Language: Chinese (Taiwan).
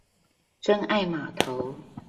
真愛碼頭